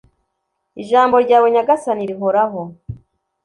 ijambo ryawe nyagasani, rihoraho